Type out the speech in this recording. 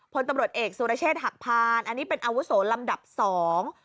พลตำรวจเอกสุรเชษฐ์หักพานอันนี้เป็นอาวุโสลำดับสอง